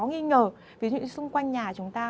nghi ngờ ví dụ như xung quanh nhà chúng ta